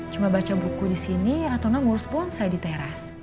cuma baca buku di sini atau ngurus bonsai di teras